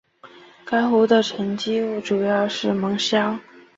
该湖的沉积物主要是芒硝。